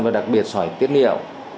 và đặc biệt sỏi tiết niệu